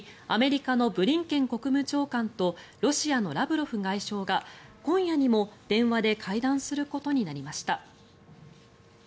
アメリカのブリンケン国務長官とロシアのラブロフ外相が今夜にも電話で会談することになりました。